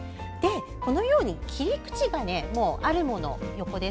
このように切り口があるもの